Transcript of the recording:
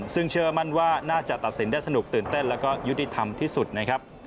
ซึ่งเชื่อมั่นว่าน่าจะตัดสินได้สนุกตื่นเต้นแล้วก็ยุติธรรมที่สุดนะครับ